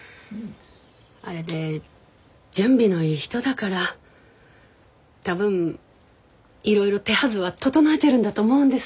あれで準備のいい人だから多分いろいろ手はずは整えてるんだと思うんです。